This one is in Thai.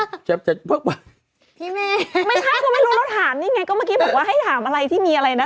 พี่เมย์ไม่ใช่ก็ไม่รู้เราถามนี่ไงก็เมื่อกี้บอกว่าให้ถามอะไรที่มีอะไรนะ